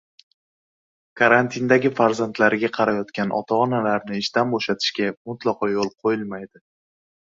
Karantindagi farzandlariga qarayotgan ota-onalarni ishdan bo‘shatishga mutlaqo yo‘l qo‘yilmaydi